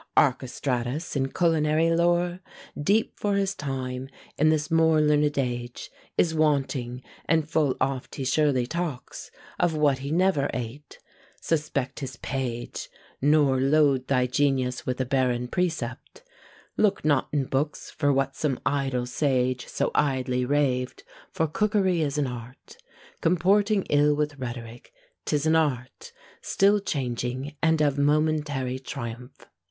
Archestratus, in culinary lore Deep for his time, in this more learned age Is wanting; and full oft he surely talks Of what he never ate. Suspect his page, Nor load thy genius with a barren precept. Look not in books for what some idle sage So idly raved; for cookery is an art Comporting ill with rhetoric; 'tis an art Still changing, and of momentary triumph!